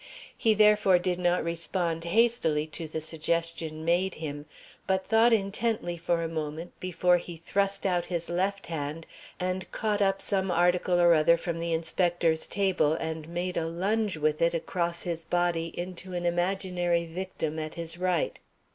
He, therefore, did not respond hastily to the suggestion made him, but thought intently for a moment before he thrust out his left hand and caught up some article or other from the inspector's table and made a lunge with it across his body into an imaginary victim at his right.